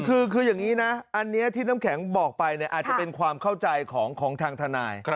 คืออย่างนี้นะอันนี้ที่น้ำแข็งบอกไปอาจจะเป็นความเข้าใจของทางทนาย